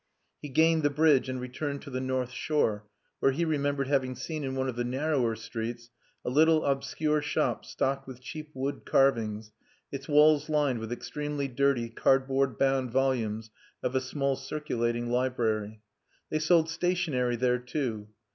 He gained the bridge and returned to the north shore, where he remembered having seen in one of the narrower streets a little obscure shop stocked with cheap wood carvings, its walls lined with extremely dirty cardboard bound volumes of a small circulating library. They sold stationery there, too.